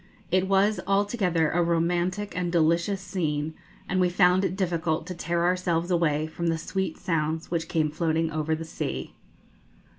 It was altogether a romantic and delicious scene, and we found it difficult to tear ourselves away from the sweet sounds which came floating over the sea.